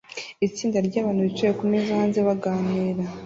Itsinda ryabantu bicaye kumeza hanze baganira